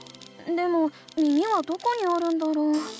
でも耳はどこにあるんだろう？